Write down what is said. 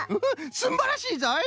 すんばらしいぞい！